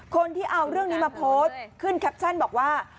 คนที่เอาเรื่องนี้มาโพสต์ขึ้นแคปชั่นบอกว่า